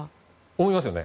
思いますよね。